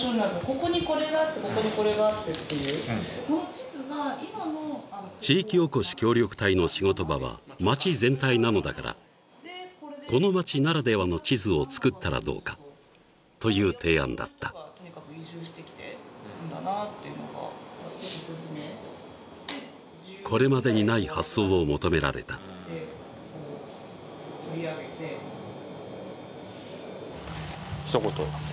ここにこれがあってここにこれがあってっていうこの地図が今の地域おこし協力隊の仕事場は街全体なのだからこの街ならではの地図を作ったらどうかという提案だったこれまでにない発想を求められたひと言